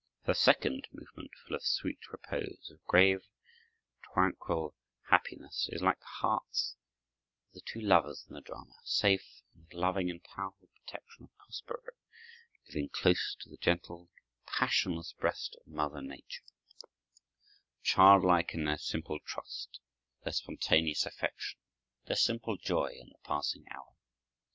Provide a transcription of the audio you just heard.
The second movement, full of sweet repose, of grave, tranquil happiness, is like the hearts of the two lovers in the drama, safe in the loving and powerful protection of Prospero, living close to the gentle, passionless breast of Mother Nature, childlike in their simple trust, their spontaneous affection, their simple joy in the passing hour.